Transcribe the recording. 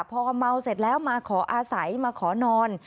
พอเมาเสร็จแล้วมาขออาศัยมาขอนอน